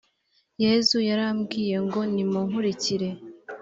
yezu yarababwiye ngo nimunkurikire.